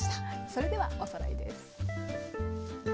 それではおさらいです。